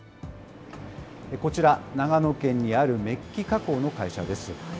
こちら、長野県にあるめっき加工の会社です。